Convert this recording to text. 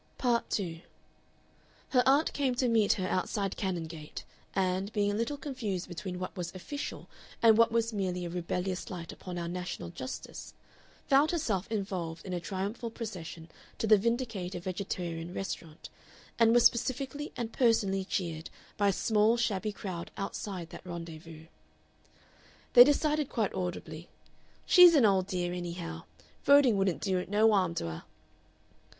Part 2 Her aunt came to meet her outside Canongate, and, being a little confused between what was official and what was merely a rebellious slight upon our national justice, found herself involved in a triumphal procession to the Vindicator Vegetarian Restaurant, and was specifically and personally cheered by a small, shabby crowd outside that rendezvous. They decided quite audibly, "She's an Old Dear, anyhow. Voting wouldn't do no 'arm to 'er."